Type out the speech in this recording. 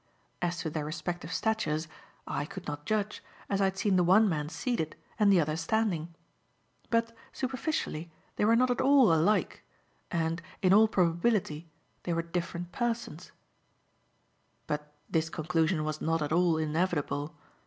As to their respective statures, I could not judge, as I had seen the one man seated and the other standing; but, superficially, they were not at all alike, and, in all probability they were different persons. But this conclusion was not at all inevitable.